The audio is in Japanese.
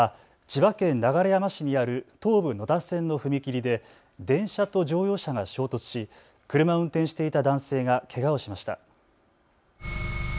千葉県流山市にある東武野田線の踏切で電車と乗用車が衝突し車を運転していた男性がけがをしました。